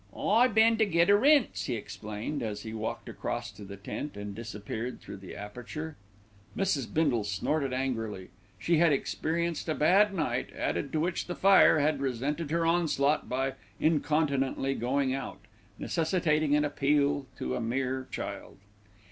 "I been to get a rinse," he explained, as he walked across to the tent and disappeared through the aperture. Mrs. Bindle snorted angrily. She had experienced a bad night, added to which the fire had resented her onslaught by incontinently going out, necessitating an appeal to a mere child.